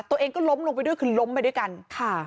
ตัวเองก็ล้มลงไปด้วยคือล้มไปด้วยกันค่ะ